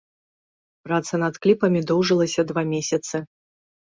Праца над кліпамі доўжылася два месяцы.